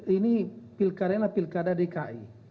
ini pilkada dki